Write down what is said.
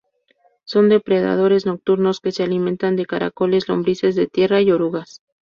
Son depredadores nocturnos que se alimentan de caracoles, lombrices de tierra y orugas.